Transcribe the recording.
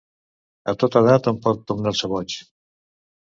A tota edat hom pot tornar-se boig.